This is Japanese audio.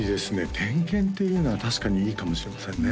点検っていうのは確かにいいかもしれませんね